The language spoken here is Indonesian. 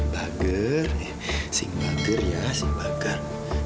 bager sing bager ya sing bager